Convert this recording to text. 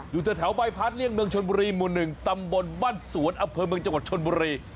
อยู่แถวใบพัดเลี่ยงเมืองชนบุรีหมู่๑ตำบลบ้านสวนอำเภอเมืองจังหวัดชนบุรี